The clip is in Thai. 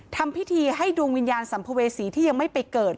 ทำพิธีให้ดวงวิญญาณสัมภเวษีที่ยังไม่ไปเกิด